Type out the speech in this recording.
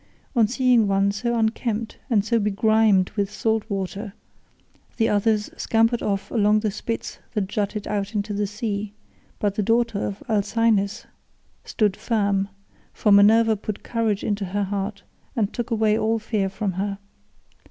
On seeing one so unkempt and so begrimed with salt water, the others scampered off along the spits that jutted out into the sea, but the daughter of Alcinous stood firm, for Minerva put courage into her heart and took away all fear from her.